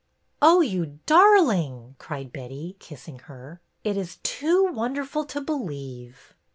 "Oh, you darling!" cried Betty, kissing her. " It is too wonderful to believe."